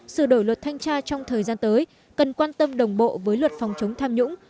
sự đổi luật thanh tra trong thời gian tới cần quan tâm đồng bộ với luật phòng chống tham nhũng